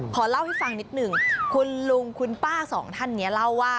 ขอเล่าให้ฟังนิดหนึ่งคุณลุงคุณป้าสองท่านนี้เล่าว่า